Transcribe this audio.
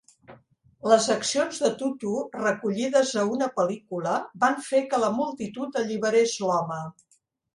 Les accions de Tutu, recollides a una pel·lícula, van fer que la multitud alliberés l'home.